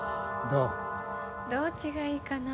どっちがいいかな？